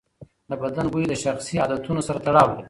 د بدن بوی د شخصي عادتونو سره تړاو لري.